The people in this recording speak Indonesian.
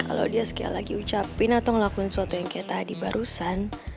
kalau dia sekali lagi ucapin atau ngelakuin sesuatu yang kayak tadi barusan